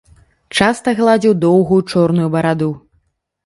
Часта гладзіў доўгую чорную бараду.